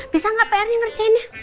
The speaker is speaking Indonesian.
bisa nggak pr nya ngerjain